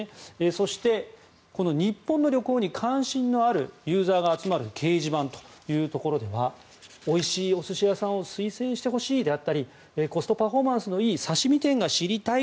そして、日本の旅行に関心のあるユーザーが集まる掲示板ではおいしいお寿司屋さんを推薦してほしいであったりコストパフォーマンスのいい刺し身店が知りたい。